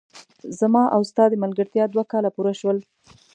زما او ستا د ملګرتیا دوه کاله پوره شول!